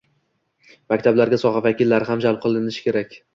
Maktablarga soha vakillari ham jalb etish kerak.